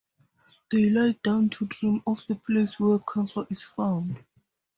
They lie down to dream of the place where camphor is found.